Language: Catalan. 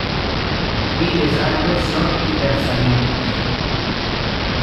Avui les aigües són hipersalines.